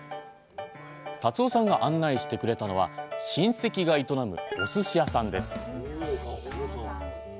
立生さんが案内してくれたのは親戚が営むおすし屋さんです